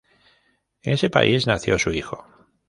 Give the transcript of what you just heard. En ese país nació su hijo.